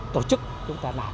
tổ chức chúng ta làm